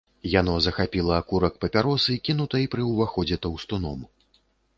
Яно захапіла акурак папяросы, кінутай пры ўваходзе таўстуном.